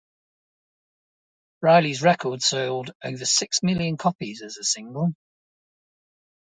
Riley's record sold over six million copies as a single.